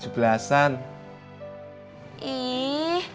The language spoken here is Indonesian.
cuma ada apaan nih